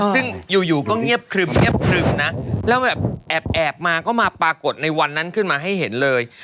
ซึ่งอยู่ก็เงียบครึมเงียบครึมนะแล้วแบบแอบมาก็มาปรากฏในวันนั้นขึ้นมาให้เห็นเลย